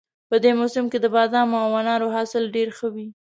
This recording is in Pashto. په دې موسم کې د بادامو او انارو حاصل ډېر ښه وي